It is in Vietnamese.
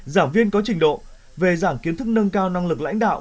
giảng viên có trình độ về giảng kiến thức nâng cao năng lực lãnh đạo